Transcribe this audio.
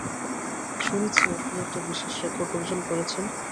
শুনেছি আপনি একটা বিশেষ রেকর্ড অর্জন করেছেন।